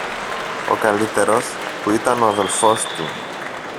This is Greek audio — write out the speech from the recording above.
Ο καλύτερος, που ήταν ο αδελφός του